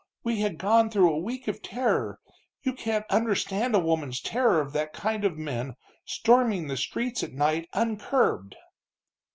We had gone through a week of terror you can't understand a woman's terror of that kind of men, storming the streets at night uncurbed!"